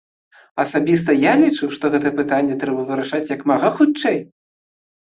Асабіста я лічу, што гэта пытанне трэба вырашаць як мага хутчэй.